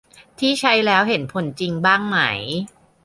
ที่ใช้แล้วเห็นผลจริงบ้างไหม